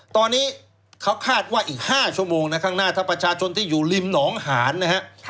ตอนนี้เขาคาดว่าอีก๕ชั่วโมงนะข้างหน้าถ้าประชาชนที่อยู่ริมหนองหานนะฮะ